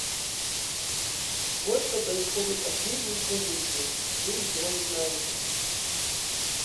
Вот что происходит от жизни в провинции, вы ничего не знаете.